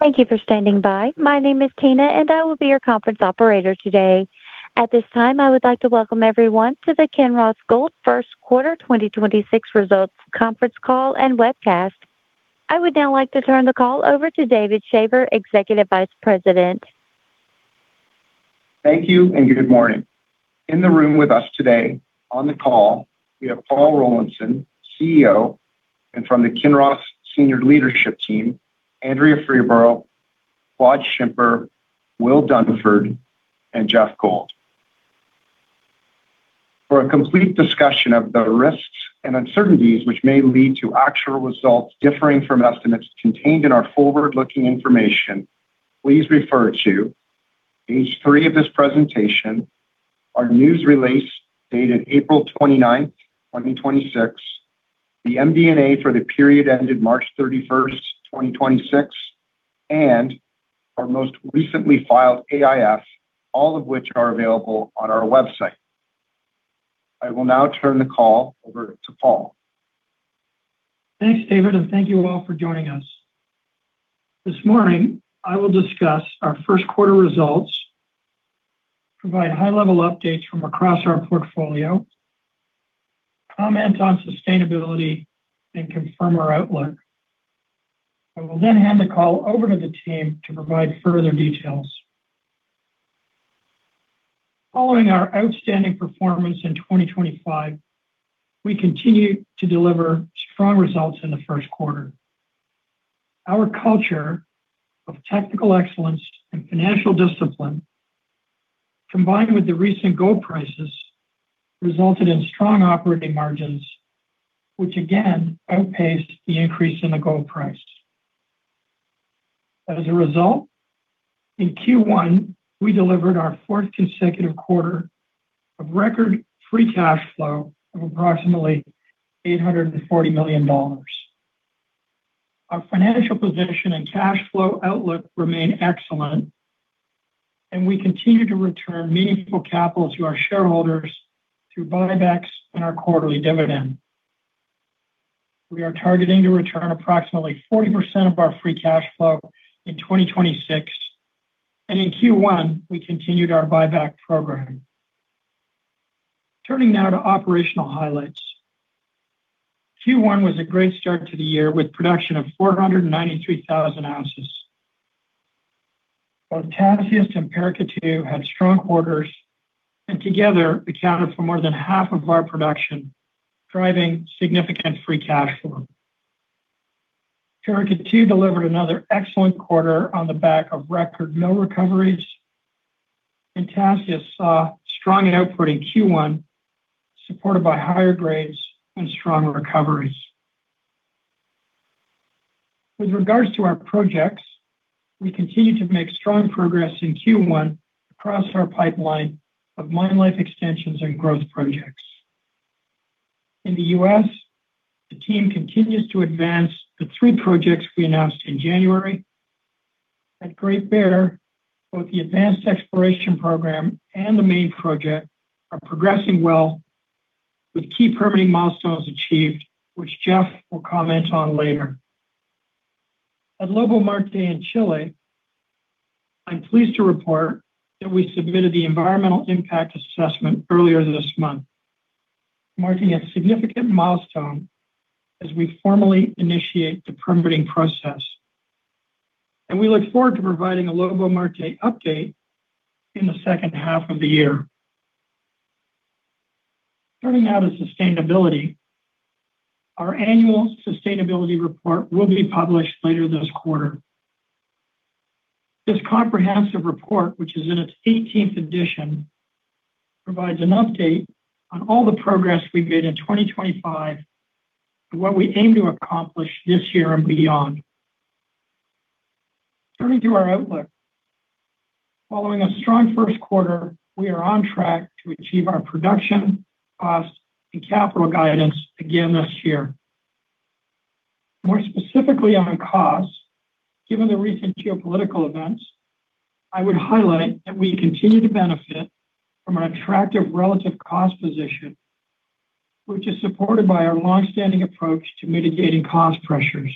Thank you for standing by. My name is Tina, and I will be your conference operator today. At this time, I would like to welcome everyone to the Kinross Gold First Quarter 2026 Results Conference Call and Webcast. I would now like to turn the call over to David Shaver, Executive Vice-President. Thank you, and good morning. In the room with us today on the call, we have Paul Rollinson, CEO. From the Kinross senior leadership team, Andrea Freeborough, Claude Schimper, William Dunford, and Geoff Gold. For a complete discussion of the risks and uncertainties which may lead to actual results differing from estimates contained in our forward-looking information, please refer to page three of this presentation, our news release dated April 29th, 2026, the MD&A for the period ended March 31st, 2026, and our most recently filed AIF, all of which are available on our website. I will now turn the call over to Paul. Thanks, David, and thank you all for joining us. This morning, I will discuss our first quarter results, provide high-level updates from across our portfolio, comment on sustainability and confirm our outlook. I will hand the call over to the team to provide further details. Following our outstanding performance in 2025, we continue to deliver strong results in the first quarter. Our culture of technical excellence and financial discipline, combined with the recent gold prices, resulted in strong operating margins, which again outpaced the increase in the gold price. As a result, In Q1, we delivered our fourth consecutive quarter of record free cash flow of approximately $840 million. Our financial position and cash flow outlook remain excellent. We continue to return meaningful capital to our shareholders through buybacks and our quarterly dividend. We are targeting to return approximately 40% of our free cash flow in 2026. In Q1, we continued our buyback program. Turning now to operational highlights. Q1 was a great start to the year with production of 493,000 oz. Both Tasiast and Paracatu had strong quarters and together accounted for more than half of our production, driving significant free cash flow. Paracatu delivered another excellent quarter on the back of record mill recoveries. Tasiast saw strong output in Q1, supported by higher grades and strong recoveries. With regards to our projects, we continue to make strong progress in Q1 across our pipeline of mine life extensions and growth projects. In the U.S., the team continues to advance the three projects we announced in January. At Great Bear, both the advanced exploration program and the main project are progressing well with key permitting milestones achieved, which Geoff will comment on later. At Lobo-Marte in Chile, I'm pleased to report that we submitted the environmental impact assessment earlier this month, marking a significant milestone as we formally initiate the permitting process. We look forward to providing a Lobo-Marte update in the second half of the year. Turning now to sustainability. Our annual sustainability report will be published later this quarter. This comprehensive report, which is in its 18th edition, provides an update on all the progress we made in 2025 and what we aim to accomplish this year and beyond. Turning to our outlook. Following a strong first quarter, we are on track to achieve our production, cost, and capital guidance again this year. More specifically on cost, given the recent geopolitical events, I would highlight that we continue to benefit from an attractive relative cost position, which is supported by our long-standing approach to mitigating cost pressures.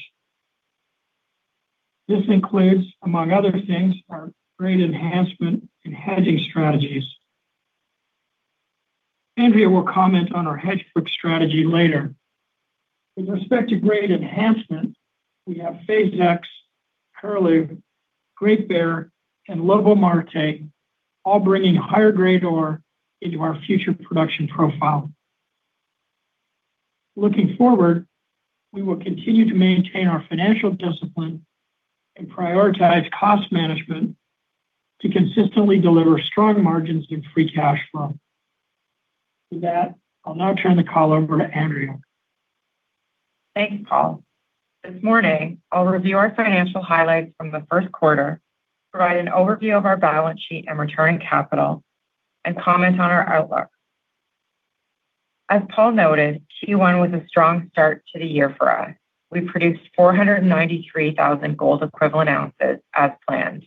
This includes, among other things, our grade enhancement and hedging strategies. Andrea will comment on our hedge book strategy later. With respect to grade enhancement, we have Phase X, Curlew, Great Bear, and Lobo-Marte all bringing higher-grade ore into our future production profile. Looking forward, we will continue to maintain our financial discipline and prioritize cost management to consistently deliver strong margins and free cash flow. With that, I'll now turn the call over to Andrea. Thanks, Paul. This morning, I'll review our financial highlights from the 1st quarter, provide an overview of our balance sheet and return capital, and comment on our outlook. As Paul noted, Q1 was a strong start to the year for us. We produced 493,000 gold equivalent oz as planned.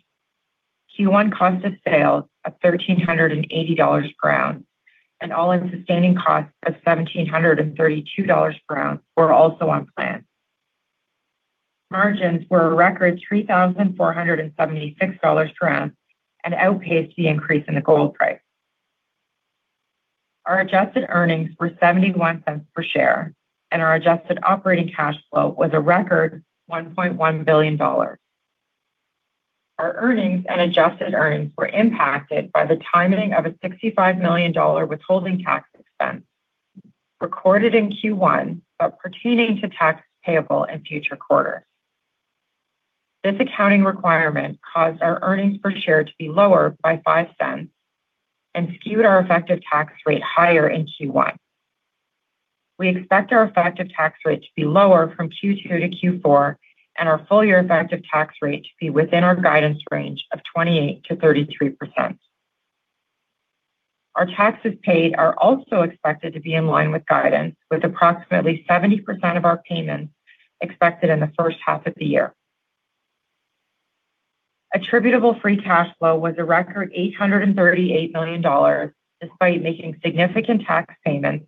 Q1 cost of sales at $1,380 per ounce and all-in sustaining costs of $1,732 per ounce were also on plan. Margins were a record $3,476 per oz and outpaced the increase in the gold price. Our adjusted earnings were $0.71 per share, and our adjusted operating cash flow was a record $1.1 billion. Our earnings and adjusted earnings were impacted by the timing of a $65 million withholding tax expense recorded in Q1 but pertaining to tax payable in future quarters. This accounting requirement caused our earnings per share to be lower by $0.05 and skewed our effective tax rate higher in Q1. We expect our effective tax rate to be lower from Q2 to Q4 and our full year effective tax rate to be within our guidance range of 28%-33%. Our taxes paid are also expected to be in line with guidance, with approximately 70% of our payments expected in the first half of the year. Attributable free cash flow was a record $838 million, despite making significant tax payments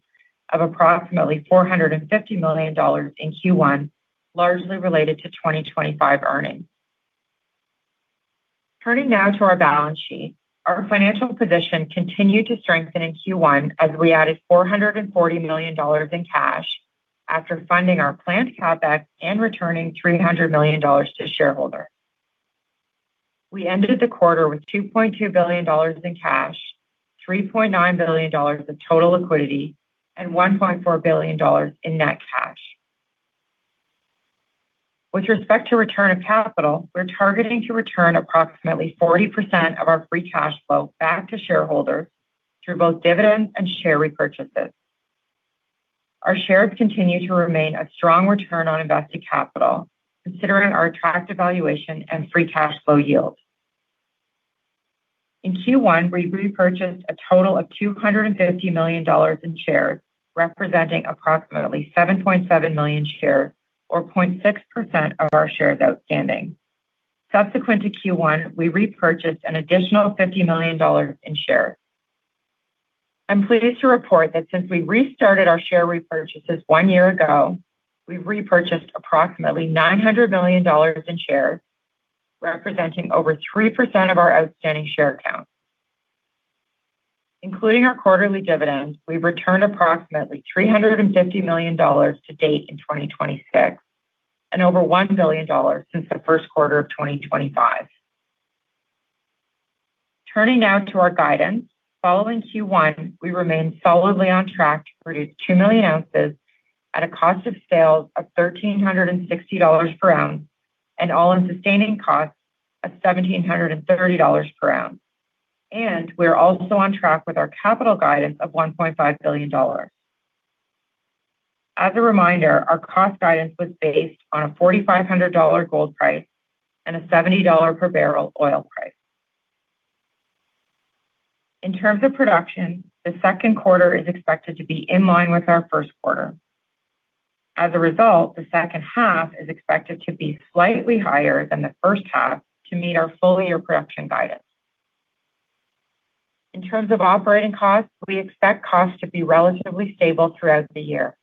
of approximately $450 million in Q1, largely related to 2025 earnings. Turning now to our balance sheet. Our financial position continued to strengthen in Q1 as we added $440 million in cash after funding our planned CapEx and returning $300 million to shareholders. We ended the quarter with $2.2 billion in cash, $3.9 billion of total liquidity, and $1.4 billion in net cash. With respect to return of capital, we're targeting to return approximately 40% of our free cash flow back to shareholders through both dividends and share repurchases. Our shares continue to remain a strong return on invested capital, considering our attractive valuation and free cash flow yield. In Q1, we repurchased a total of $250 million in shares, representing approximately 7.7 million shares, or 0.6% of our shares outstanding. Subsequent to Q1, we repurchased an additional $50 million in shares. I'm pleased to report that since we restarted our share repurchases one year ago, we've repurchased approximately $900 million in shares, representing over 3% of our outstanding share count. Including our quarterly dividends, we've returned approximately $350 million to date in 2026 and over $1 billion since the first quarter of 2025. Turning now to our guidance. Following Q1, we remain solidly on track to produce 2 million oz at a cost of sales of $1,360 per ounce and all-in sustaining costs of $1,730 per ounce. We're also on track with our capital guidance of $1.5 billion. As a reminder, our cost guidance was based on a $4,500 gold price and a $70 per barrel oil price. In terms of production, the second quarter is expected to be in line with our first quarter. As a result, the 2nd half is expected to be slightly higher than the 1st half to meet our full year production guidance. In terms of operating costs, we expect costs to be relatively stable throughout the year.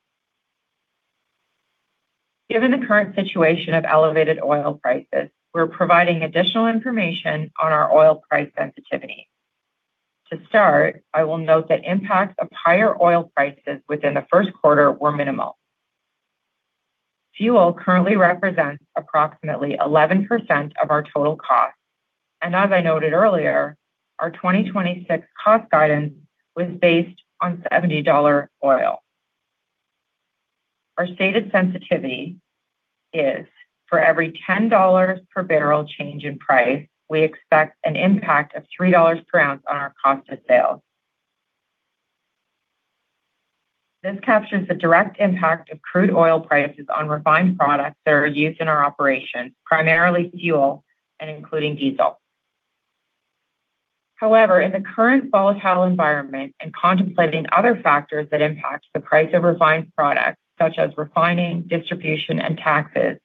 Given the current situation of elevated oil prices, we're providing additional information on our oil price sensitivity. To start, I will note that impacts of higher oil prices within the 1st quarter were minimal. Fuel currently represents approximately 11% of our total costs, and as I noted earlier, our 2026 cost guidance was based on $70 oil. Our stated sensitivity is for every $10 per barrel change in price, we expect an impact of $3 per ounce on our cost of sales. This captures the direct impact of crude oil prices on refined products that are used in our operations, primarily fuel and including diesel. However, in the current volatile environment and contemplating other factors that impact the price of refined products such as refining, distribution, and taxes,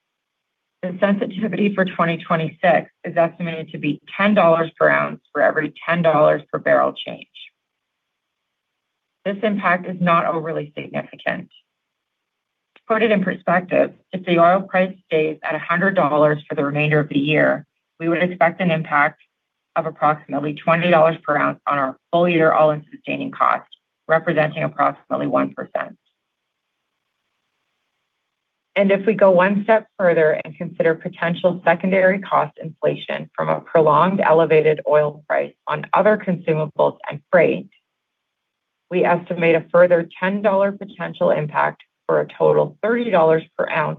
the sensitivity for 2026 is estimated to be $10 per oz for every $10 per bbl change. This impact is not overly significant. To put it in perspective, if the oil price stays at $100 for the remainder of the year, we would expect an impact of approximately $20 per oz on our full year all-in sustaining cost, representing approximately 1%. If we go one step further and consider potential secondary cost inflation from a prolonged elevated oil price on other consumables and freight, we estimate a further $10 potential impact for a total $30 per oz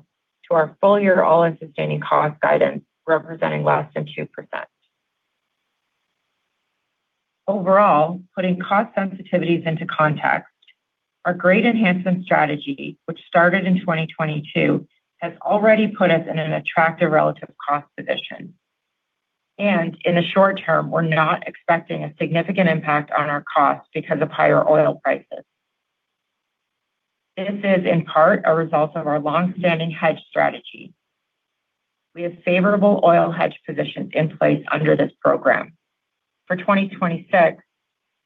to our full year all-In sustaining cost guidance, representing less than 2%. Overall, putting cost sensitivities into context, our grade enhancement strategy, which started in 2022, has already put us in an attractive relative cost position. In the short term, we're not expecting a significant impact on our costs because of higher oil prices. This is, in part, a result of our long-standing hedge strategy. We have favorable oil hedge positions in place under this program. For 2026,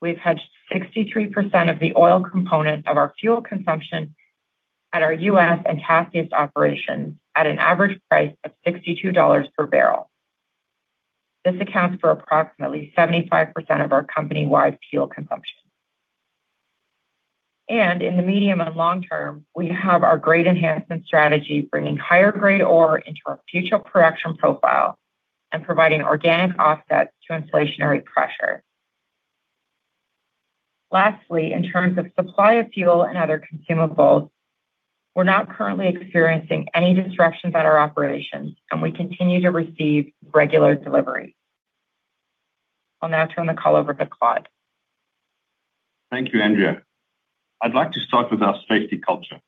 we've hedged 63% of the oil component of our fuel consumption at our U.S. and Tasiast operations at an average price of $62 per bbl. This accounts for approximately 75% of our company-wide fuel consumption. In the medium and long term, we have our grade enhancement strategy, bringing higher-grade ore into our future production profile and providing organic offsets to inflationary pressure. Lastly, in terms of supply of fuel and other consumables, we're not currently experiencing any disruptions at our operations, and we continue to receive regular delivery. I'll now turn the call over to Claude. Thank you, Andrea. I'd like to start with our safety culture.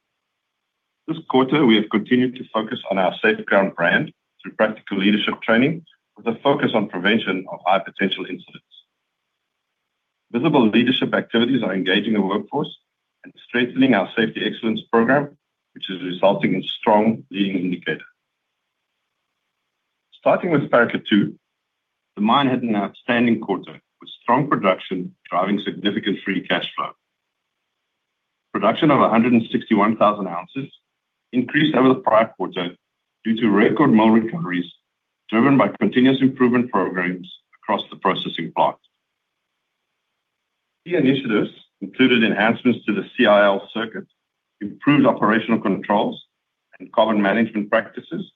This quarter, we have continued to focus on our Safeground brand through practical leadership training, with a focus on prevention of high-potential incidents. Visible leadership activities are engaging the workforce and strengthening our Safety Excellence program, which is resulting in strong leading indicators. Starting with Paracatu, the mine had an outstanding quarter, with strong production driving significant free cash flow. Production of 161,000 oz increased over the prior quarter due to record mill recoveries, driven by continuous improvement programs across the processing plant. Key initiatives included enhancements to the CIL circuit, improved operational controls, and carbon management practices,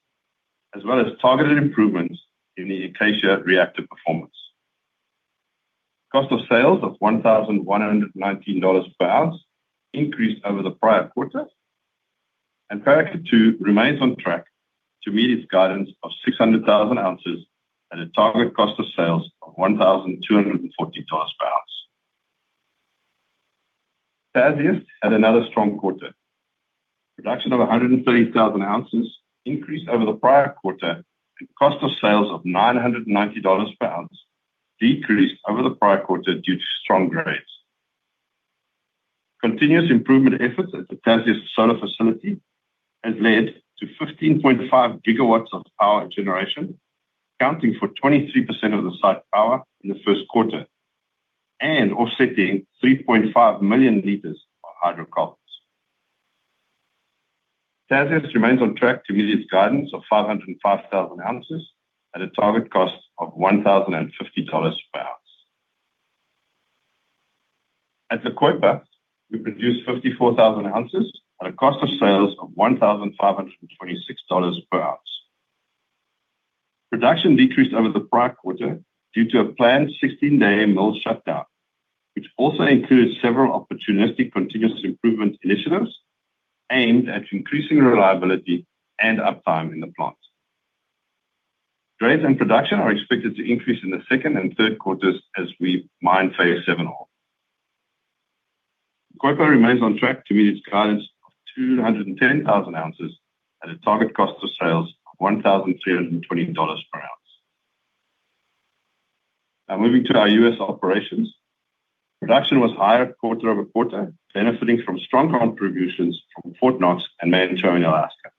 as well as targeted improvements in the AARL reactor performance. Cost of sales of $1,119 per oz increased over the prior quarter, and Paracatu remains on track to meet its guidance of 600,000 oz at a target cost of sales of $1,240 per oz. Tasiast had another strong quarter. Production of 130,000 oz increased over the prior quarter, and cost of sales of $990 per oz decreased over the prior quarter due to strong grades. Continuous improvement efforts at the Tasiast solar facility has led to 15.5 GW of power generation, accounting for 23% of the site power in the first quarter and offsetting 3.5 million L of hydrocarbons. Tasiast remains on track to meet its guidance of 505,000 oz at a target cost of $1,050 per oz. At the Quebra, we produced 54,000 oz at a cost of sales of $1,526 per oz. Production decreased over the prior quarter due to a planned 16-day mill shutdown, which also includes several opportunistic continuous improvement initiatives aimed at increasing reliability and uptime in the plant. Grades and production are expected to increase in the second and third quarters as we mine Phase 7 ore. Quebra remains on track to meet its guidance of 210,000 oz at a target cost of sales of $1,320 per oz. Now, moving to our U.S. operations. Production was higher quarter-over-quarter, benefiting from strong contributions from Fort Knox and Manh Choh in Alaska.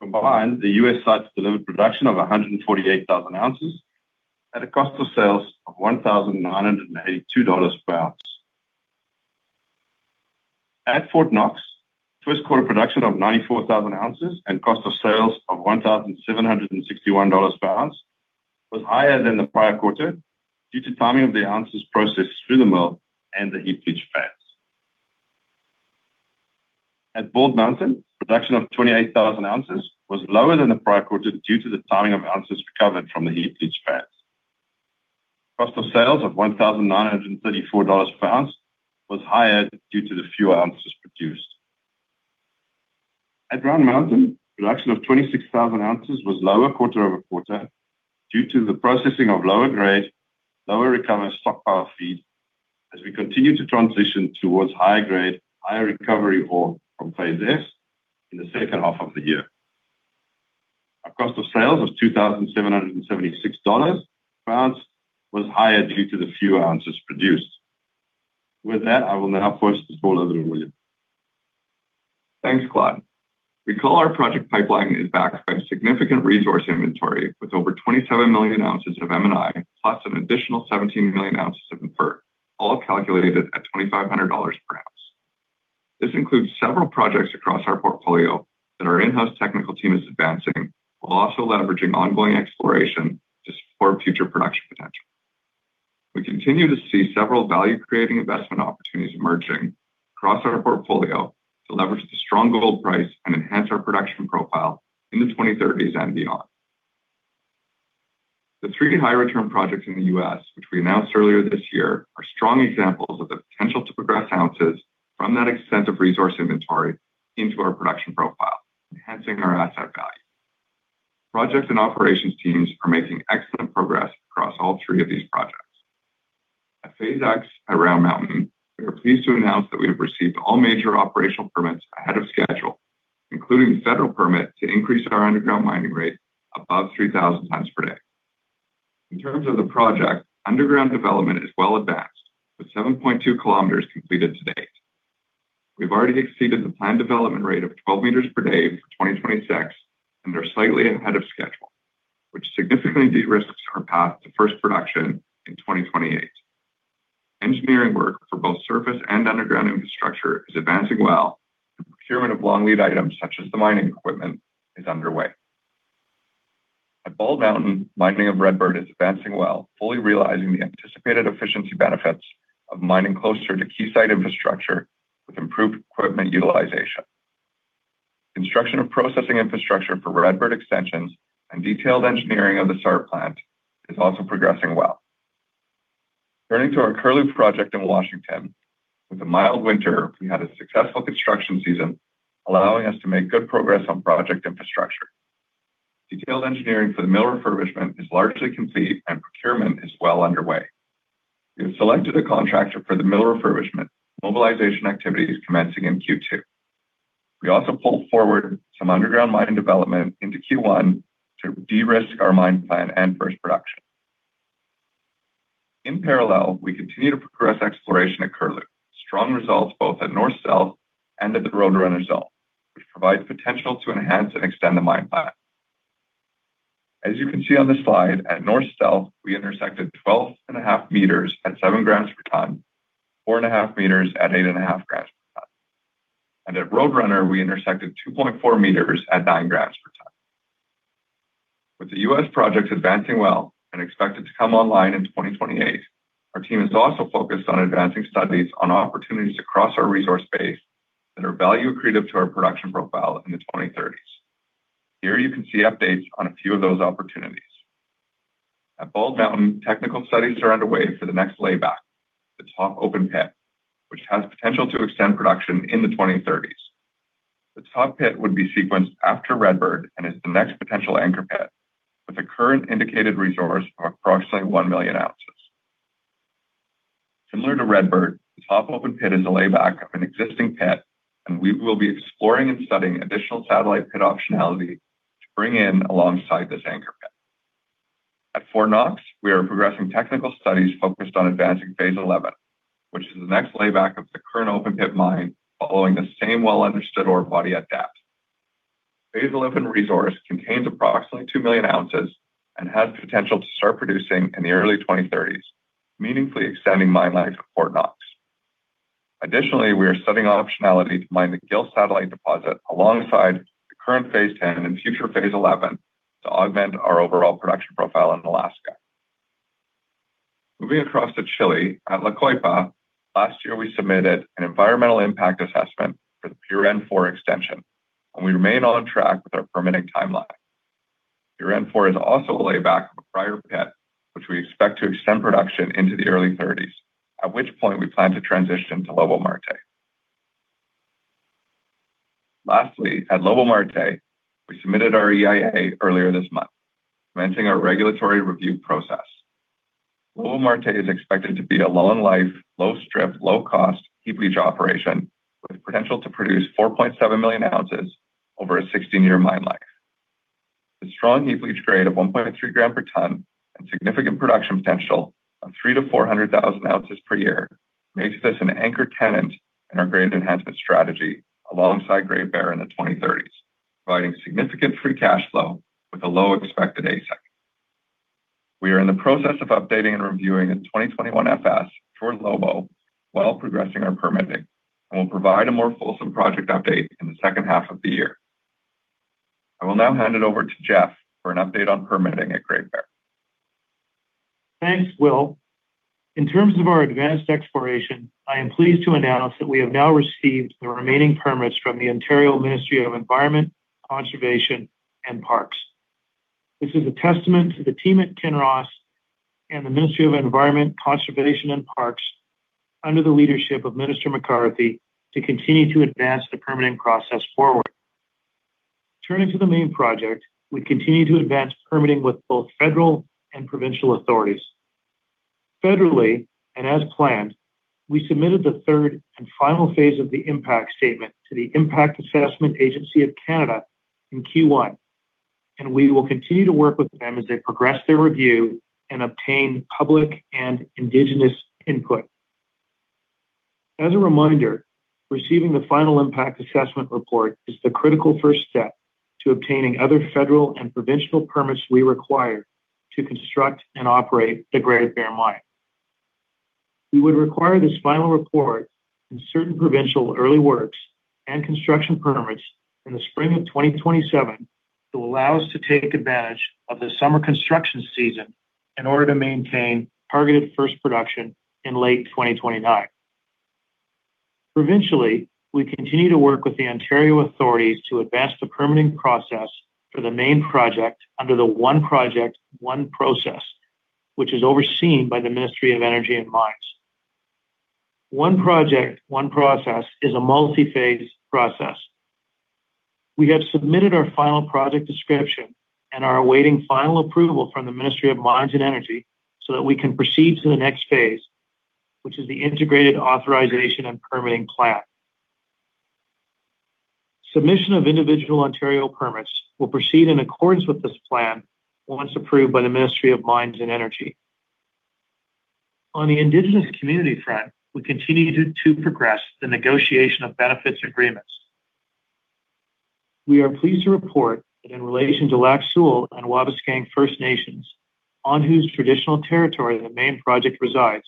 Combined, the U.S. sites delivered production of 148,000 oz at a cost of sales of $1,982 per oz. At Fort Knox, first quarter production of 94,000 oz and cost of sales of $1,761 per ounce was higher than the prior quarter due to timing of the oz processed through the mill and the heap leach pads. At Bald Mountain, production of 28,000 oz was lower than the prior quarter due to the timing of oz recovered from the heap leach pads. Cost of sales of $1,934 per ounce was higher due to the fewer oz produced. At Round Mountain, production of 26,000 oz was lower quarter-over-quarter due to the processing of lower grade, lower recovery stockpile feed as we continue to transition towards higher grade, higher recovery ore from Phase X in the second half of the year. Our cost of sales of $2,776 was higher due to the fewer oz produced. With that, I will now pass this call over to William. Thanks, Claude. Recall our project pipeline is backed by significant resource inventory, with over 27 million oz of M&I, plus an additional 17 million oz of inferred, all calculated at $2,500 per ounce. This includes several projects across our portfolio that our in-house technical team is advancing, while also leveraging ongoing exploration to support future production potential. We continue to see several value-creating investment opportunities emerging across our portfolio to leverage the strong gold price and enhance our production profile in the 2030s and beyond. The three high-return projects in the U.S., which we announced earlier this year, are strong examples of the potential to progress oz from that extent of resource inventory into our production profile, enhancing our asset value. Projects and operations teams are making excellent progress across all three of these projects. At Phase X at Round Mountain, we are pleased to announce that we have received all major operational permits ahead of schedule, including the federal permit to increase our underground mining rate above 3,000 tons per day. In terms of the project, underground development is well advanced, with 7.2 km completed to date. We've already exceeded the planned development rate of 12 m per day for 2026 and are slightly ahead of schedule, which significantly de-risks our path to first production in 2028. Engineering work for both surface and underground infrastructure is advancing well, and procurement of long lead items such as the mining equipment is underway. At Bald Mountain, mining of Redbird is advancing well, fully realizing the anticipated efficiency benefits of mining closer to key site infrastructure with improved equipment utilization. Construction of processing infrastructure for Redbird extensions and detailed engineering of the SART plant is progressing well. Turning to our Curlew project in Washington, with a mild winter, we had a successful construction season, allowing us to make good progress on project infrastructure. Detailed engineering for the mill refurbishment is largely complete and procurement is well underway. We have selected a contractor for the mill refurbishment. Mobilization activity is commencing in Q2. We pulled forward some underground mining development into Q1 to de-risk our mine plan and first production. In parallel, we continue to progress exploration at Curlew. Strong results both at North South and at the Roadrunner zone, which provide potential to enhance and extend the mine plan. As you can see on the slide, at North South, we intersected 12.5 m at 7 g/t, 4.5 m at 8.5 g/t. At Roadrunner, we intersected 2.4 m at 9 g/t. With the U.S. projects advancing well and expected to come online in 2028, our team is also focused on advancing studies on opportunities across our resource base that are value accretive to our production profile in the 2030s. Here you can see updates on a few of those opportunities. At Bald Mountain, technical studies are underway for the next layback, the Top open pit, which has potential to extend production in the 2030s. The Top pit would be sequenced after Redbird and is the next potential anchor pit, with a current indicated resource of approximately 1 million oz. Similar to Redbird, the top open pit is a layback of an existing pit, and we will be exploring and studying additional satellite pit optionality to bring in alongside this anchor pit. At Fort Knox, we are progressing technical studies focused on advancing Phase 11, which is the next layback of the current open pit mine following the same well-understood ore body at Dahat. Phase 11 resource contains approximately 2 million oz and has potential to start producing in the early 2030s, meaningfully extending mine life at Fort Knox. We are studying optionality to mine the Gil satellite deposit alongside the current Phase X and future Phase 11 to augment our overall production profile in Alaska. Moving across to Chile at La Coipa, last year we submitted an environmental impact assessment for the Puren 4 extension, and we remain on track with our permitting timeline. Puren is also a layback of a prior pit, which we expect to extend production into the early 2030s, at which point we plan to transition to Lobo-Marte. Lastly, at Lobo-Marte, we submitted our EIA earlier this month, commencing our regulatory review process. Lobo-Marte is expected to be a long-life, low-strip, low-cost heap leach operation with potential to produce 4.7 million oz over a 16-year mine life. The strong heap leach grade of 1.3 g per ton and significant production potential of 300,000 oz-400,000 oz per year makes this an anchor tenant in our grade enhancement strategy alongside Great Bear in the 2030s, providing significant free cash flow with a low expected AISC. We are in the process of updating and reviewing a 2021 FS for Lobo while progressing our permitting, and we'll provide a more fulsome project update in the second half of the year. I will now hand it over to Geoff for an update on permitting at Great Bear. Thanks, Will. In terms of our advanced exploration, I am pleased to announce that we have now received the remaining permits from the Ontario Ministry of the Environment, Conservation and Parks. This is a testament to the team at Kinross and the Ministry of the Environment, Conservation and Parks under the leadership of Minister McCarthy to continue to advance the permitting process forward. Turning to the main project, we continue to advance permitting with both federal and provincial authorities. Federally, and as planned, I submitted the third and final phase of the impact statement to the Impact Assessment Agency of Canada in Q1, and we will continue to work with them as they progress their review and obtain public and Indigenous input. As a reminder, receiving the final impact assessment report is the critical first step to obtaining other federal and provincial permits we require to construct and operate the Great Bear mine. We would require this final report and certain provincial early works and construction permits in the spring of 2027 to allow us to take advantage of the summer construction season in order to maintain targeted first production in late 2029. Provincially, we continue to work with the Ontario authorities to advance the permitting process for the main project under the One Project, One Process, which is overseen by the Ministry of Energy and Mines. One Project, One Process is a multi-phase process. We have submitted our final project description and are awaiting final approval from the Ministry of Energy and Mines so that we can proceed to the next phase, which is the integrated authorization and permitting plan. Submission of individual Ontario permits will proceed in accordance with this plan once approved by the Ministry of Energy and Mines. On the Indigenous community front, we continue to progress the negotiation of benefits agreements. We are pleased to report that in relation to Lac Seul and Wabauskang First Nations, on whose traditional territory the main project resides,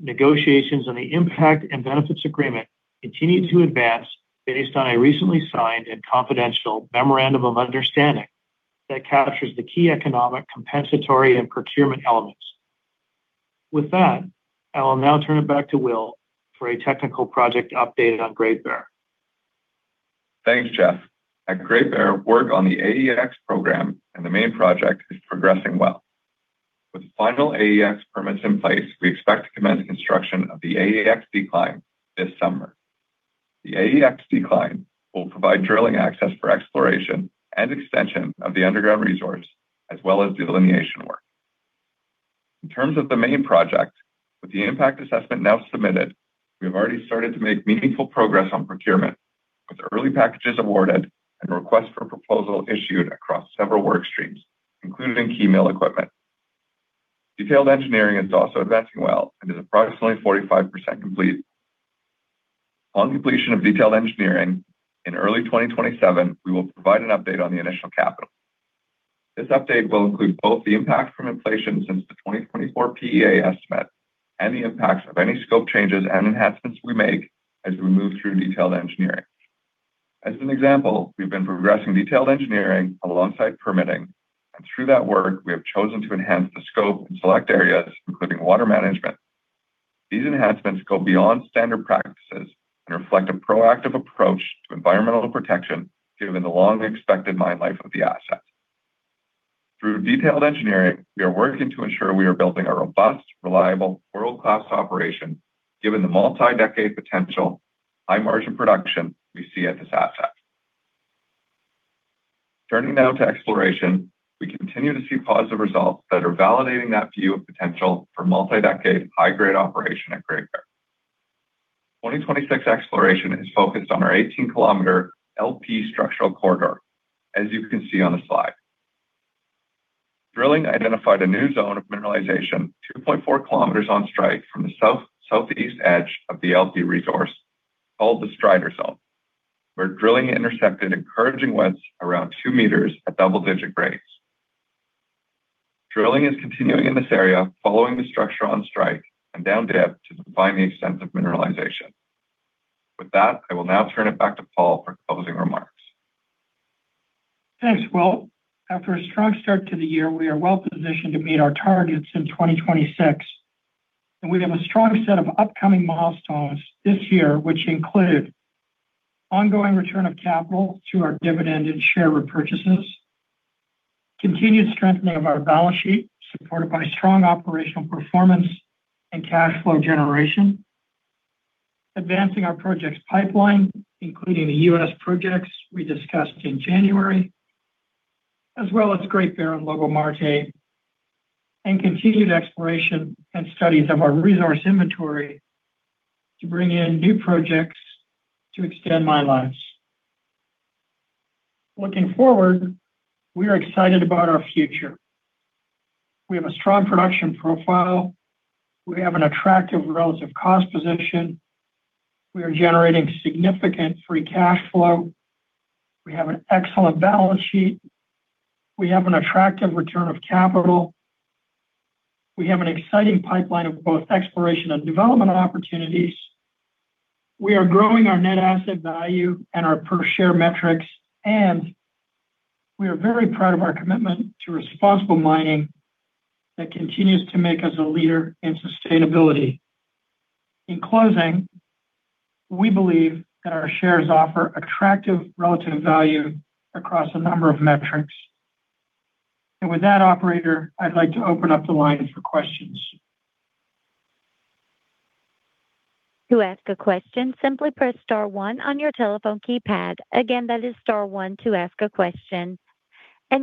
negotiations on the impact and benefits agreement continue to advance based on a recently signed and confidential memorandum of understanding that captures the key economic compensatory and procurement elements. With that, I will now turn it back to Will for a technical project update on Great Bear. Thanks, Geoff. At Great Bear, work on the AEX program and the main project is progressing well. With final AEX permits in place, we expect to commence construction of the AEX decline this summer. The AEX decline will provide drilling access for exploration and extension of the underground resource, as well as delineation work. In terms of the main project, with the impact assessment now submitted, we have already started to make meaningful progress on procurement, with early packages awarded and requests for proposal issued across several work streams, including key mill equipment. Detailed engineering is also advancing well and is approximately 45% complete. On completion of detailed engineering in early 2027, we will provide an update on the initial capital. This update will include both the impact from inflation since the 2024 PEA estimate and the impacts of any scope changes and enhancements we make as we move through detailed engineering. As an example, we've been progressing detailed engineering alongside permitting, and through that work, we have chosen to enhance the scope in select areas, including water management. These enhancements go beyond standard practices and reflect a proactive approach to environmental protection given the long expected mine life of the asset. Through detailed engineering, we are working to ensure we are building a robust, reliable, world-class operation given the multi-decade potential high-margin production we see at this asset. Turning now to exploration, we continue to see positive results that are validating that view of potential for multi-decade high-grade operation at Great Bear. 2026 exploration is focused on our 18-km LP structural corridor, as you can see on the slide. Drilling identified a new zone of mineralization 2.4 km on strike from the south-southeast edge of the LP resource called the Strider zone, where drilling intercepted encouraging widths around 2 m at double-digit grades. Drilling is continuing in this area following the structure on strike and down dip to define the extent of mineralization. With that, I will now turn it back to Paul for closing remarks. Thanks, William Dunford. After a strong start to the year, we are well positioned to meet our targets in 2026, and we have a strong set of upcoming milestones this year, which include ongoing return of capital to our dividend and share repurchases, continued strengthening of our balance sheet supported by strong operational performance and cash flow generation, advancing our projects pipeline, including the U.S. projects we discussed in January, as well as Great Bear and Lobo-Marte, and continued exploration and studies of our resource inventory to bring in new projects to extend mine lives. Looking forward, we are excited about our future. We have a strong production profile. We have an attractive relative cost position. We are generating significant free cash flow. We have an excellent balance sheet. We have an attractive return of capital. We have an exciting pipeline of both exploration and development opportunities. We are growing our net asset value and our per share metrics, and we are very proud of our commitment to responsible mining that continues to make us a leader in sustainability. In closing, we believe that our shares offer attractive relative value across a number of metrics. With that, operator, I'd like to open up the lines for questions.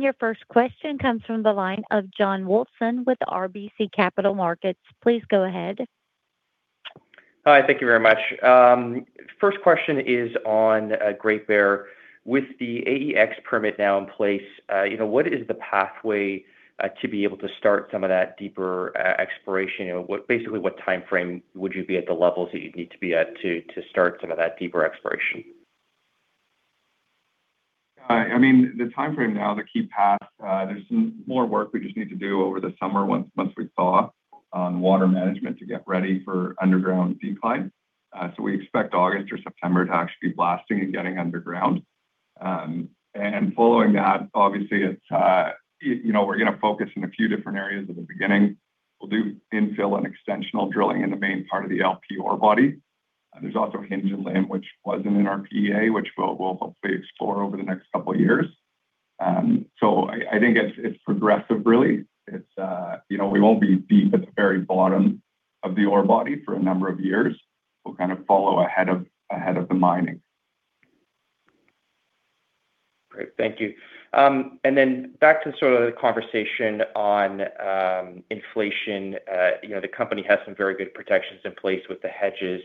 Your first question comes from the line of Josh Wolfson with RBC Capital Markets. Please go ahead. Hi, thank you very much. First question is on Great Bear. With the AEX permit now in place, you know, what is the pathway to be able to start some of that deeper exploration? You know, basically, what time frame would you be at the levels that you'd need to be at to start some of that deeper exploration? I mean, the time frame now, the key path, there's some more work we just need to do over the summer once we thaw on water management to get ready for underground decline. We expect August or September to actually be blasting and getting underground. Following that, obviously, it's, you know, we're gonna focus in a few different areas at the beginning. We'll do infill and extensional drilling in the main part of the LP ore body. There's also Hinge and Limb, which wasn't in our PEA, which we'll hopefully explore over the next couple years. I think it's progressive really. It's, you know, we won't be deep at the very bottom of the ore body for a number of years. We'll kind of follow ahead of the mining. Great. Thank you. Then back to sort of the conversation on inflation. You know, the company has some very good protections in place with the hedges.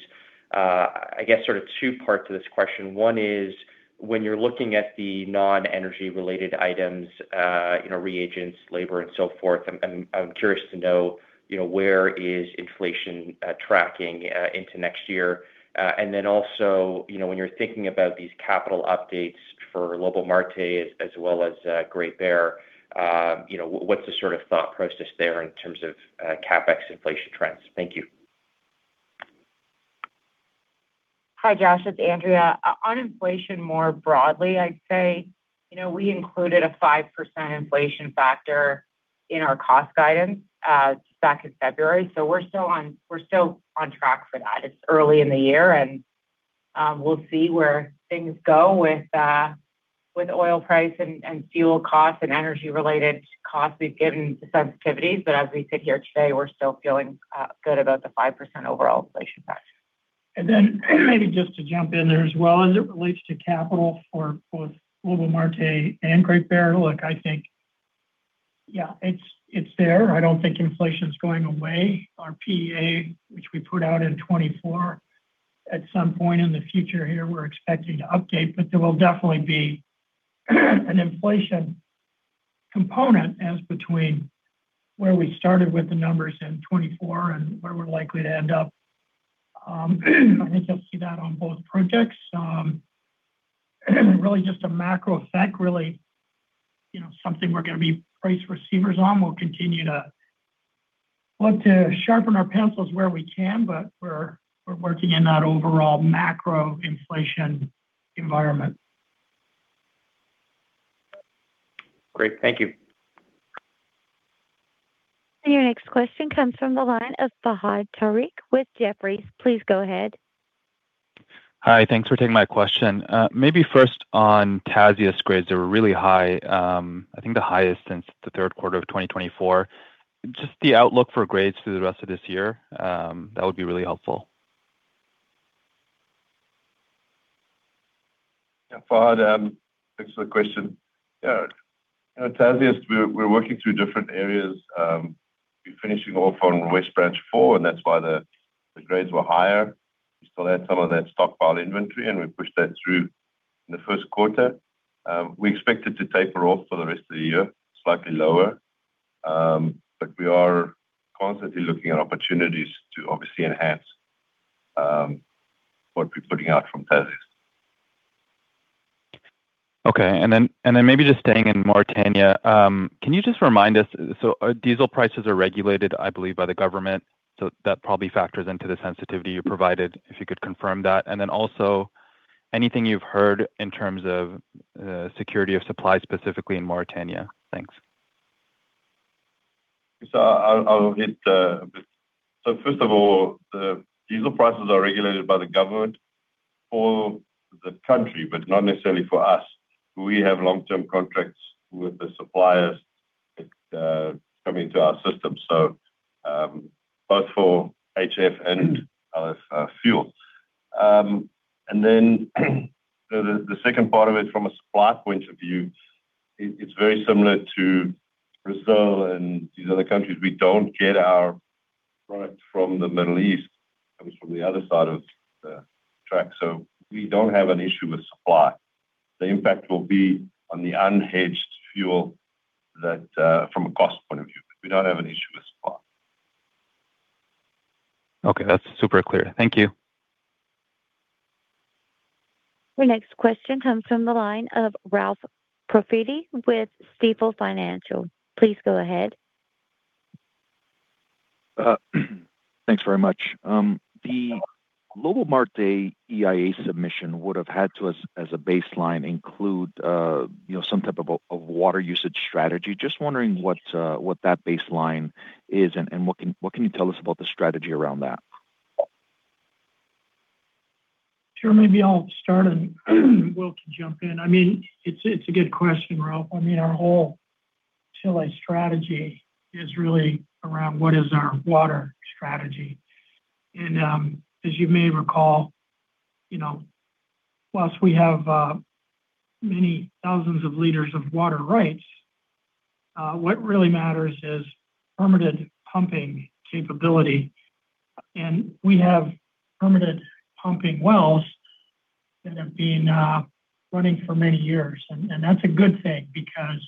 I guess sort of two parts to this question. One is, when you're looking at the non-energy related items, you know, reagents, labor, and so forth, I'm curious to know, you know, where is inflation tracking into next year? Then also, you know, when you're thinking about these capital updates for Lobo-Marte as well as Great Bear, you know, what's the sort of thought process there in terms of CapEx inflation trends? Thank you. Hi, Josh, it's Andrea. On inflation more broadly, I'd say, you know, we included a 5% inflation factor in our cost guidance back in February. We're still on track for that. It's early in the year, and we'll see where things go with oil price and fuel costs and energy-related costs we've given the sensitivities. As we sit here today, we're still feeling good about the 5% overall inflation factor. Maybe just to jump in there as well, as it relates to capital for both Lobo-Marte and Great Bear, look, I think, yeah, it's there. I don't think inflation's going away. Our PEA, which we put out in 2024, at some point in the future here, we're expecting to update, but there will definitely be an inflation component as between where we started with the numbers in 2024 and where we're likely to end up. I think you'll see that on both projects. Really just a macro effect, really, you know, something we're gonna be price receivers on. We'll continue to look to sharpen our pencils where we can, but we're working in that overall macro inflation environment. Great. Thank you. Your next question comes from the line of Fahad Tariq with Jefferies. Please go ahead. Hi. Thanks for taking my question. Maybe first on Tasiast grades. They were really high, I think the highest since the third quarter of 2024. Just the outlook for grades through the rest of this year, that would be really helpful. Yeah, Fahad, thanks for the question. Yeah. You know, Tasiast, we're working through different areas. We're finishing off on West Branch ore, that's why the grades were higher. We still had some of that stockpile inventory, we pushed that through in the first quarter. We expect it to taper off for the rest of the year, slightly lower. We are constantly looking at opportunities to obviously enhance what we're putting out from Tasiast. Maybe just staying in Mauritania, can you just remind us diesel prices are regulated, I believe, by the government, so that probably factors into the sensitivity you provided, if you could confirm that. Also anything you've heard in terms of security of supply specifically in Mauritania. Thanks. I'll hit a bit. First of all, the diesel prices are regulated by the government for the country, but not necessarily for us. We have long-term contracts with the suppliers that come into our system. Both for HFO and other fuel. The second part of it from a supply point of view, it's very similar to Brazil and these other countries. We don't get our product from the Middle East. It comes from the other side of the track. We don't have an issue with supply. The impact will be on the unhedged fuel that from a cost point of view. We don't have an issue with supply. Okay. That's super clear. Thank you. Your next question comes from the line of Ralph Profiti with Stifel Financial. Please go ahead. Thanks very much. The Lobo-Marte EIA submission would have had to, as a baseline include, you know, some type of a water usage strategy. Just wondering what that baseline is and what can you tell us about the strategy around that? Sure. Maybe I'll start, and Will can jump in. I mean, it's a good question, Ralph. I mean, our whole Chile strategy is really around what is our water strategy. As you may recall, you know, whilst we have many thousands of Ls of water rights, what really matters is permitted pumping capability. We have permitted pumping wells that have been running for many years. That's a good thing because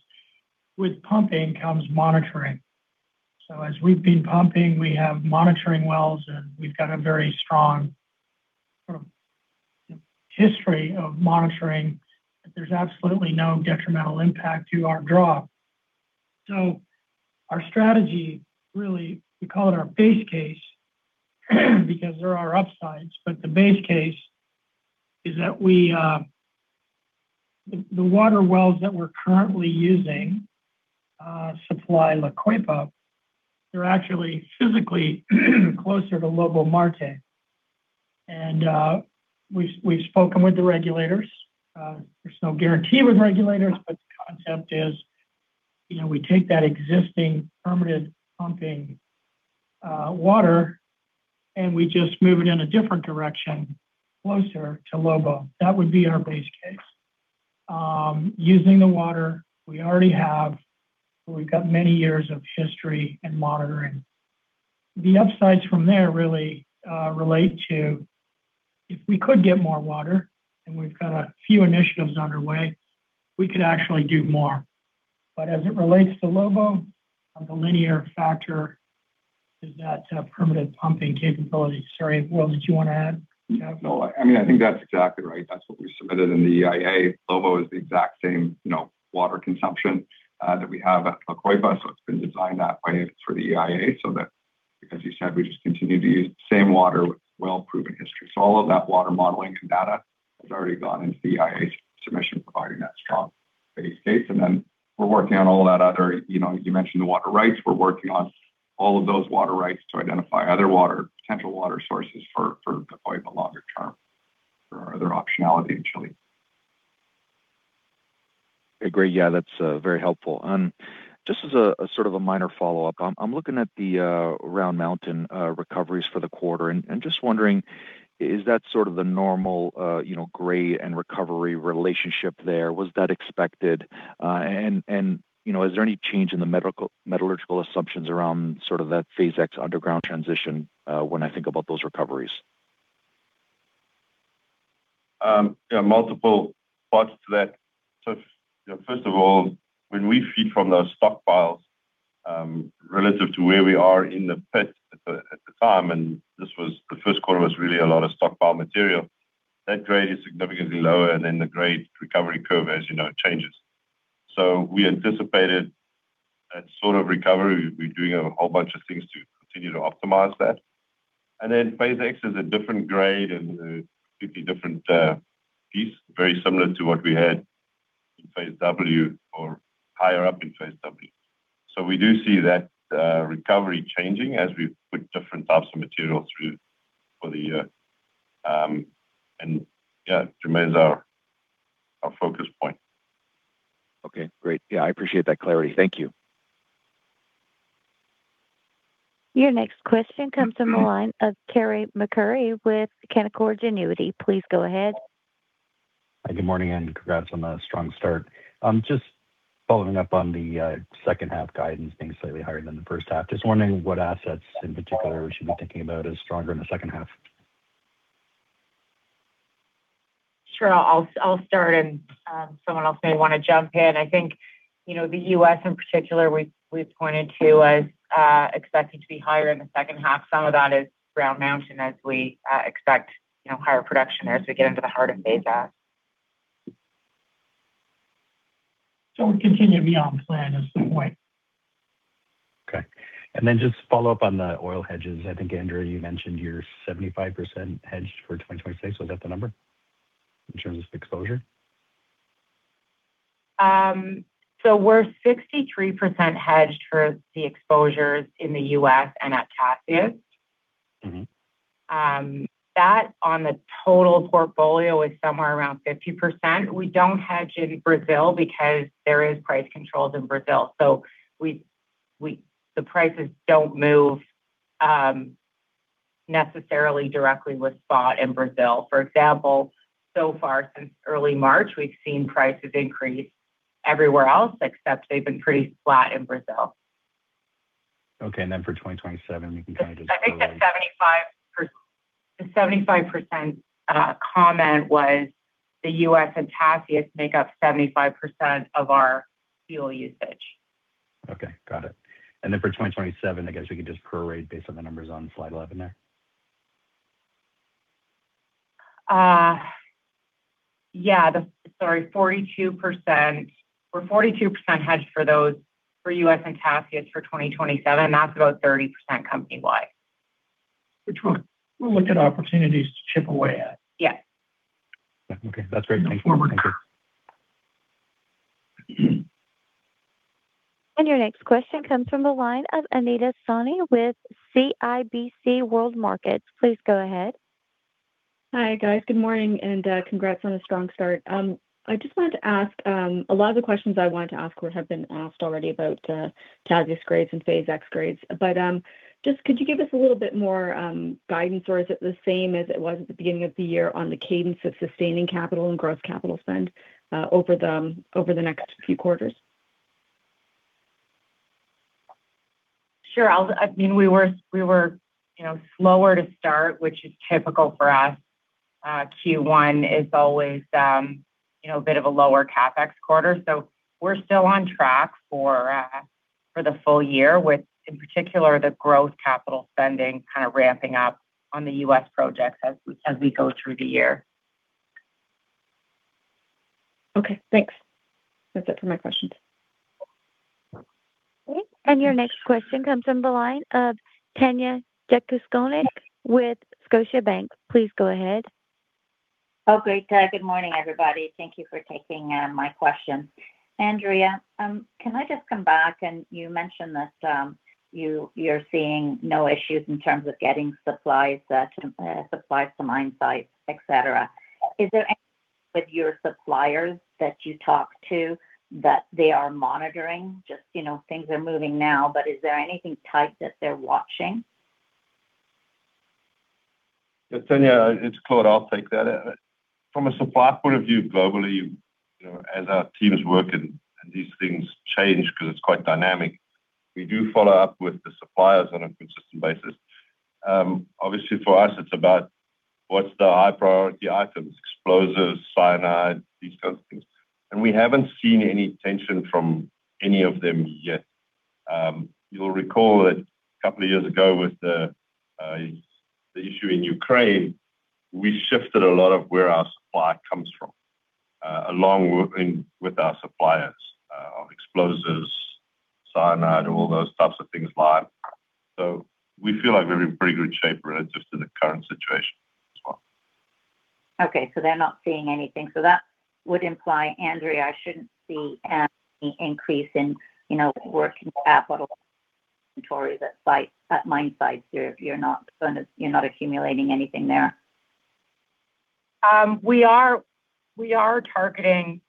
with pumping comes monitoring. As we've been pumping, we have monitoring wells, and we've got a very strong sort of history of monitoring that there's absolutely no detrimental impact to our draw. Our strategy, really, we call it our base case because there are upsides, but the base case is that we, the water wells that we're currently using, supply La Coipa. They're actually physically closer to Lobo-Marte. We've spoken with the regulators. There's no guarantee with regulators, the concept is. You know, we take that existing permitted pumping water, and we just move it in a different direction closer to Lobo. That would be our base case. Using the water we already have, we've got many years of history and monitoring. The upsides from there really relate to if we could get more water, we've got a few initiatives underway, we could actually do more. As it relates to Lobo, the linear factor is that permitted pumping capability. Sorry, Will, did you wanna add? No, I mean, I think that's exactly right. That's what we submitted in the EIA. Lobo is the exact same, you know, water consumption, that we have at La Coipa, so it's been designed that way for the EIA so that, as you said, we just continue to use the same water with well-proven history. All of that water modeling and data has already gone into the EIA submission, providing that strong base case. We're working on all that other, you know, you mentioned the water rights. We're working on all of those water rights to identify other water, potential water sources for La Coipa in the longer term. There are other optionality actually. Great. Yeah, that's very helpful. Just as a sort of a minor follow-up. I'm looking at the Round Mountain recoveries for the quarter, and just wondering, is that sort of the normal, you know, grade and recovery relationship there? Was that expected? You know, is there any change in the metallurgical assumptions around sort of that Phase X underground transition, when I think about those recoveries? There are multiple parts to that. You know, first of all, when we feed from those stockpiles, relative to where we are in the pit at the time, and this was the first quarter was really a lot of stockpile material, that grade is significantly lower, and then the grade recovery curve, as you know, changes. We anticipated that sort of recovery. We're doing a whole bunch of things to continue to optimize that. Phase X is a different grade and a completely different piece, very similar to what we had in Phase W or higher up in Phase W. We do see that recovery changing as we put different types of material through for the year. Yeah, it remains our focus point. Okay, great. Yeah, I appreciate that clarity. Thank you. Your next question comes from the line of Carey MacRury with Canaccord Genuity. Please go ahead. Hi, good morning, and congrats on a strong start. Just following up on the second half guidance being slightly higher than the first half. Just wondering what assets in particular we should be thinking about as stronger in the second half. Sure. I'll start and someone else may wanna jump in. I think, you know, the U.S. in particular, we've pointed to as expecting to be higher in the second half. Some of that is Round Mountain as we expect, you know, higher production there as we get into the heart of Phase X. We continue to be on plan at this point. Okay. Just follow up on the oil hedges. I think, Andrea, you mentioned you're 75% hedged for 2026. Was that the number in terms of exposure? We're 63% hedged for the exposures in the U.S. and at Tasiast. Mm-hmm. That on the total portfolio is somewhere around 50%. We don't hedge in Brazil because there is price controls in Brazil. The prices don't move necessarily directly with spot in Brazil. For example, so far since early March, we've seen prices increase everywhere else, except they've been pretty flat in Brazil. Okay, for 2027, we can kind of. I think the 75% comment was the U.S. and Tasiast make up 75% of our fuel usage. Okay, got it. For 2027, I guess we can just prorate based on the numbers on slide 11 there. Sorry, 42%. We're 42% hedged for those, for U.S. and Tasiast for 2027. That's about 30% company-wide. Which we'll look at opportunities to chip away at. Yes. Okay. That's great. Thank you. Going forward. Thank you. Your next question comes from the line of Anita Soni with CIBC World Markets. Please go ahead. Hi, guys. Good morning. Congrats on a strong start. I just wanted to ask, a lot of the questions I wanted to ask would have been asked already about Tasiast grades and Phase X grades. Just could you give us a little bit more guidance, or is it the same as it was at the beginning of the year on the cadence of sustaining capital and growth capital spend over the next few quarters? Sure. I mean, we were, you know, slower to start, which is typical for us. Q1 is always, you know, a bit of a lower CapEx quarter. We're still on track for the full year with, in particular, the growth capital spending kind of ramping up on the U.S. projects as we go through the year. Okay, thanks. That's it for my questions. Okay. Your next question comes from the line of Tanya Jakusconek with Scotiabank. Please go ahead. Oh, great. Good morning, everybody. Thank you for taking my question. Andrea, can I just come back, and you mentioned that, you're seeing no issues in terms of getting supplies to mine sites, etc. With your suppliers that you talk to, that they are monitoring just, you know, things are moving now, but is there anything tight that they're watching? Tanya, it's Claude. I'll take that. From a supply point of view, globally, you know, as our teams work and these things change 'cause it's quite dynamic. We do follow up with the suppliers on a consistent basis. Obviously for us it's about what's the high priority items, explosives, cyanide, these kinds of things. We haven't seen any tension from any of them yet. You'll recall that two years ago with the issue in Ukraine, we shifted a lot of where our supply comes from, along working with our suppliers, on explosives, cyanide, all those types of things, lime. We feel like we're in pretty good shape relative to the current situation as well. Okay. They're not seeing anything. That would imply, Andrea, I shouldn't see any increase in, you know, working capital inventory at site, at mine sites here if you're not accumulating anything there. We are targeting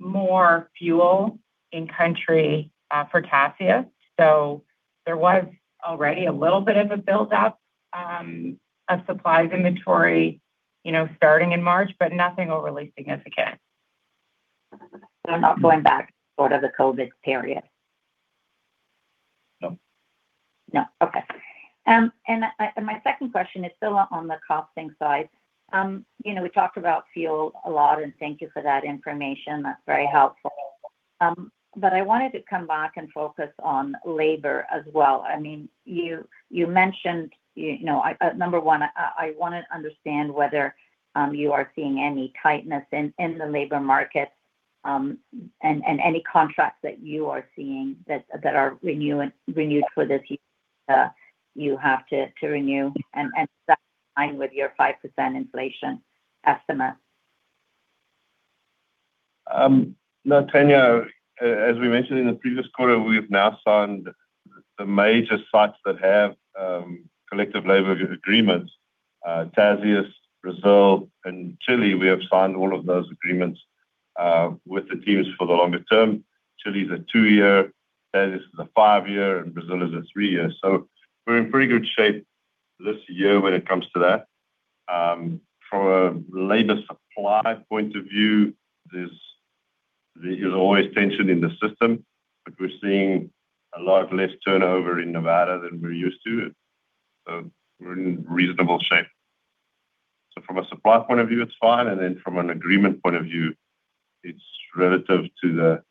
more fuel in country for Tasiast. There was already a little bit of a buildup of supplies inventory, you know, starting in March, but nothing overly significant. not going back sort of the COVID period. No. No. Okay. My second question is still on the costing side. You know, we talked about fuel a lot. Thank you for that information. That's very helpful. I wanted to come back and focus on labor as well. I mean, you mentioned, you know, I, number one, I wanna understand whether you are seeing any tightness in the labor market and any contracts that you are seeing that are renewed for this year that you have to renew and align with your 5% inflation estimate. No, Tanya, as we mentioned in the previous quarter, we've now signed the major sites that have collective labor agreements. Tasiast, Brazil, and Chile, we have signed all of those agreements with the teams for the longer term. Chile's a two-year, Tasiast is a five-year, and Brazil is a three-year. We're in pretty good shape this year when it comes to that. From a labor supply point of view, there's always tension in the system, but we're seeing a lot less turnover in Nevada than we're used to. We're in reasonable shape. From a supply point of view, it's fine. From an agreement point of view, it's relative to the,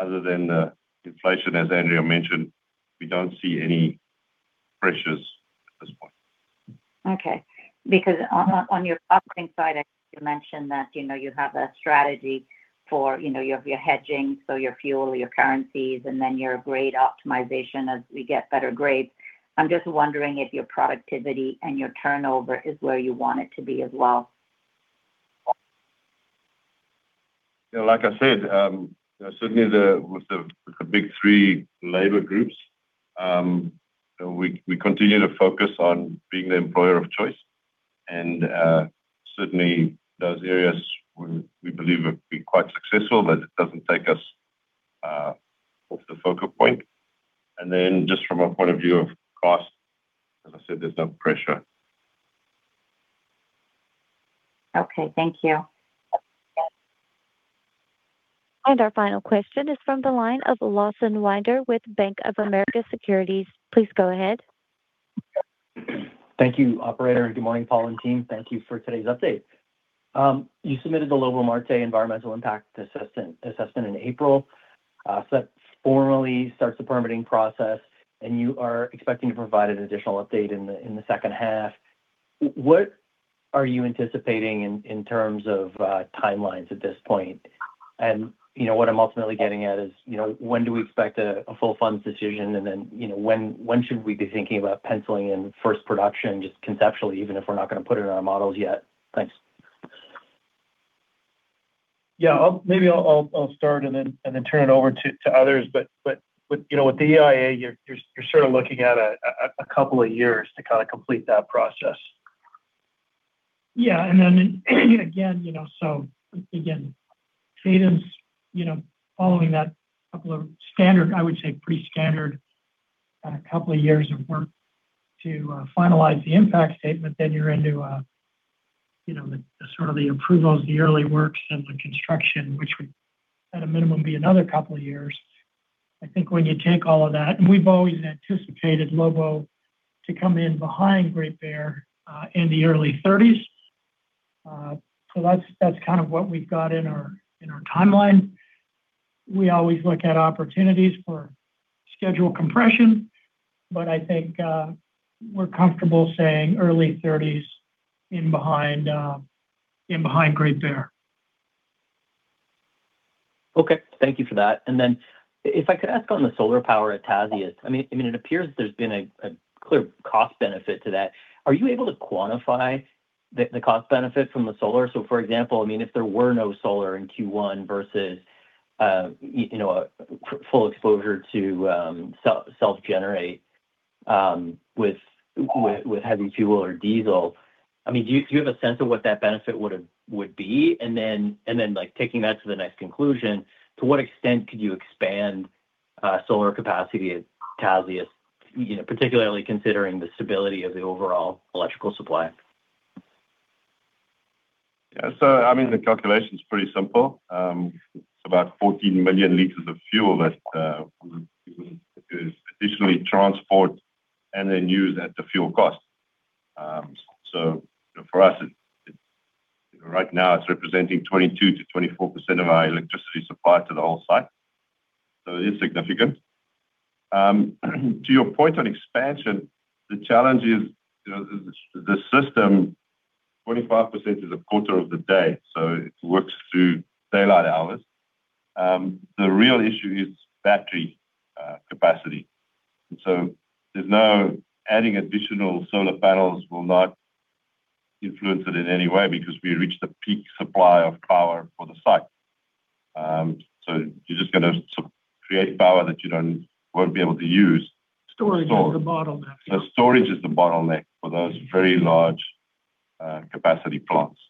other than the inflation, as Andrea mentioned, we don't see any pressures at this point. Okay. Because on your costing side, I think you mentioned that, you know, you have a strategy for, you know, your hedging, so your fuel, your currencies, and then your grade optimization as we get better grades. I'm just wondering if your productivity and your turnover is where you want it to be as well. Yeah. Like I said, certainly with the Big 3 labor groups, we continue to focus on being the employer of choice. Certainly those areas we believe have been quite successful, but it doesn't take us off the focal point. Just from a point of view of cost, as I said, there's no pressure. Okay. Thank you. Our final question is from the line of Lawson Winder with Bank of America Securities. Please go ahead. Thank you, operator. Good morning, Paul and team. Thank you for today's update. You submitted the Lobo-Marte Environmental Impact Assessment in April. That formally starts the permitting process. You are expecting to provide an additional update in the second half. What are you anticipating in terms of timelines at this point? You know, what I'm ultimately getting at is, you know, when do we expect a full funding decision? You know, when should we be thinking about penciling in first production, just conceptually, even if we're not gonna put it in our models yet? Thanks. Yeah. Maybe I'll start. Then turn it over to others. With, you know, with the EIA, you're sort of looking at a couple of years to kind of complete that process. Yeah. Then again, Cadence, following that couple of standard, I would say pre-standard, two years of work to finalize the impact statement, then you're into the sort of the approvals, the early works, and the construction, which would at a minimum be another two years. I think when you take all of that, and we've always anticipated Lobo to come in behind Great Bear in the early 2030s. That's kind of what we've got in our timeline. We always look at opportunities for schedule compression, but I think we're comfortable saying early 2030s in behind Great Bear. Okay. Thank you for that. If I could ask on the solar power at Tasiast. I mean, it appears there's been a clear cost benefit to that. Are you able to quantify the cost benefit from the solar? For example, I mean, if there were no solar in Q1 versus you know, a full exposure to heavy fuel or diesel. I mean, do you have a sense of what that benefit would be? Like, taking that to the next conclusion, to what extent could you expand solar capacity at Tasiast, you know, particularly considering the stability of the overall electrical supply? Yeah. I mean, the calculation is pretty simple. It's about 14 million L of fuel that is additionally transport and then used at the fuel cost. For us, right now it's representing 22%-24% of our electricity supply to the whole site. It is significant. To your point on expansion, the challenge is, you know, the system, 25% is a quarter of the day, so it works through daylight hours. The real issue is battery capacity. Adding additional solar panels will not influence it in any way because we reached the peak supply of power for the site. You're just gonna create power that won't be able to use. Storage is the bottleneck. Storage is the bottleneck for those very large, capacity plants.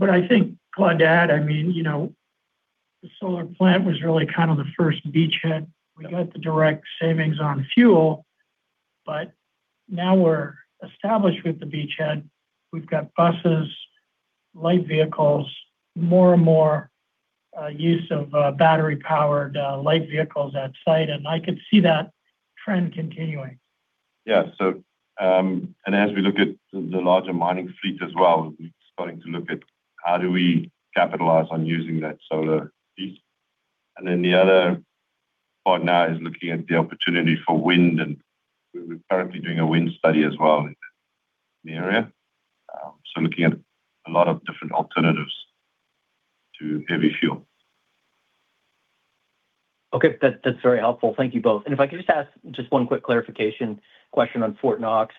I think, Claude, to add, I mean, you know, the solar plant was really kind of the first beachhead. We got the direct savings on fuel, but now we're established with the beachhead. We've got buses, light vehicles, more and more use of battery-powered light vehicles at site, and I could see that trend continuing. As we look at the larger mining fleet as well, we're starting to look at how do we capitalize on using that solar heat. The other part now is looking at the opportunity for wind, and we're currently doing a wind study as well in the area. Looking at a lot of different alternatives to heavy fuel. Okay. That's very helpful. Thank you both. If I could just ask just one quick clarification question on Fort Knox.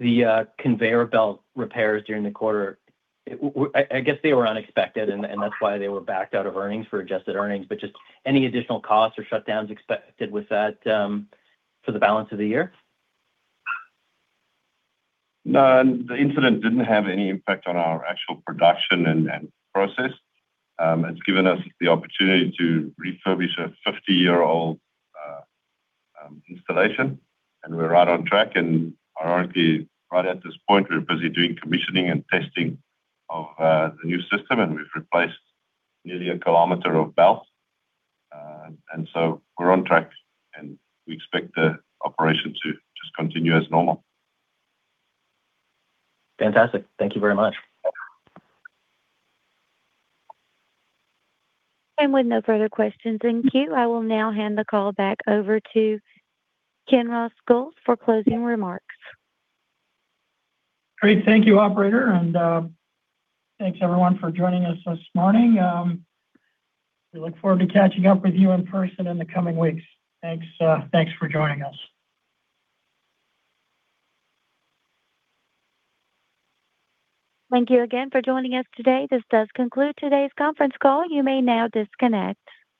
The conveyor belt repairs during the quarter, I guess they were unexpected, and that's why they were backed out of earnings for adjusted earnings. Just any additional costs or shutdowns expected with that for the balance of the year? No. The incident didn't have any impact on our actual production and process. It's given us the opportunity to refurbish a 50-year-old installation, and we're right on track. Ironically, right at this point, we're busy doing commissioning and testing of the new system, and we've replaced nearly a kilometer of belt. We're on track, and we expect the operation to just continue as normal. Fantastic. Thank you very much. With no further questions in queue, I will now hand the call back over to Kinross Gold for closing remarks. Great. Thank you, operator. Thanks everyone for joining us this morning. We look forward to catching up with you in person in the coming weeks. Thanks, thanks for joining us. Thank you again for joining us today. This does conclude today's conference call. You may now disconnect.